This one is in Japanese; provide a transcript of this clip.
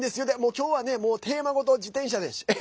今日はね、テーマごと自転車です。